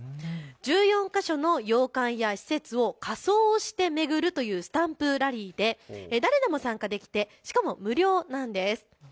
１４か所の館や施設を仮装して巡るというスタンプラリーで誰でも参加できて、しかも無料なんです。